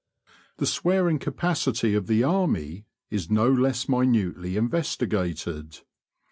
The swearing capacity of the army is no less minutely investigated.